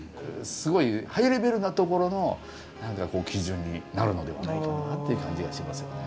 すごいハイレベルなところの基準になるのではないかなっていう感じがしますよね。